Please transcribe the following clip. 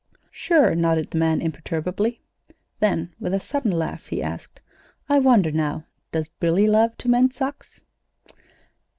"Sure!" nodded the man, imperturbably. Then, with a sudden laugh, he asked: "I wonder now, does Billy love to mend socks?"